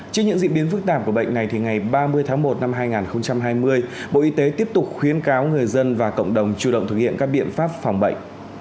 trên những diễn biến phức tạp của bệnh này thì ngày ba mươi tháng một năm hai nghìn hai mươi bộ y tế tiếp tục khuyến cáo người dân và cộng đồng chủ động thực hiện các biện pháp phòng bệnh